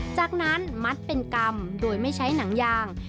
จากนั้นมัดเป็นกรรมโดยไม่ใช้หนังยาง